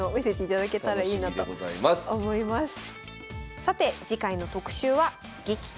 さて次回の特集は「激闘！